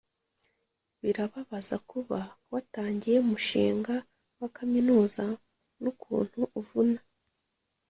birababaza kuba watangiye umushinga wa kaminuza nukuntu uvuna